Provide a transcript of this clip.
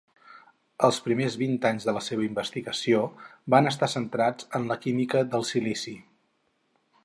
Els primers vint anys de la seva investigació van estar centrats en la química del silici.